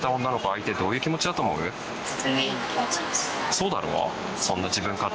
そうだろ？